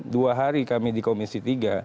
dua hari kami di komisi tiga